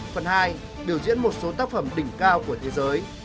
phần hai biểu diễn một số tác phẩm đỉnh cao của thế giới